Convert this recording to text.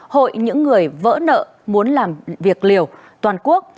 hội những người vỡ nợ muốn làm việc liều toàn quốc